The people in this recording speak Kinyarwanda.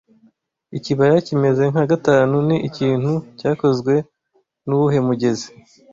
Ikibaya kimeze nka V ni ikintu cyakozwe nuwuhe mugezi